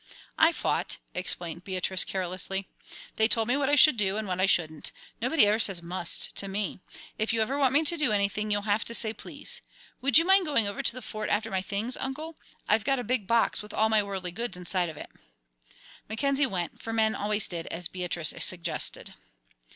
"I fought," explained Beatrice, carelessly. "They told me what I should do and what I shouldn't. Nobody ever says 'must' to me. If you ever want me to do anything, you'll have to say 'please.' Would you mind going over to the Fort after my things, Uncle? I've got a big box with all my worldly goods inside of it." Mackenzie went, for men always did as Beatrice suggested.